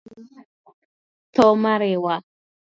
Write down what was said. Tho ma riwa;